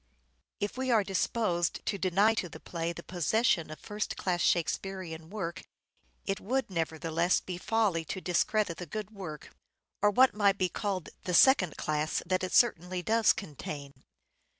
Quality of If we are disposed to deny to the play the possession Tempest." of first class Shakespearean work it would neverthe less be folly to discredit the good work, of what might be called the second class, that it certainly does contain.